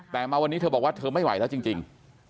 แต่มาวันนี้เธอบอกว่าเธอไม่ไหวแล้วจริง